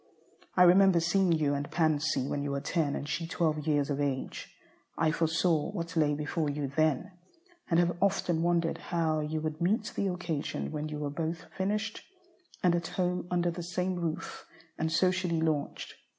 I remember seeing you and Pansy when you were ten and she twelve years of age. I foresaw what lay before you then, and have often wondered how you would meet the occasion when you were both "finished," and at home under the same roof, and socially launched.